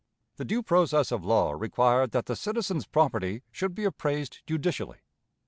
The due process of law required that the citizen's property should be appraised judicially.